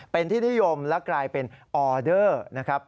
เป็นที่นิยมและกลายเป็นออเดอร์นะครับ